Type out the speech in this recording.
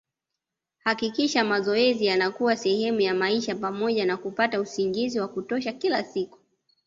Hakikisha mazoezi yanakuwa sehemu ya maisha pamoja na kupata usingizi wa kutosha kila siku